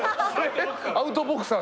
アウトボクサー。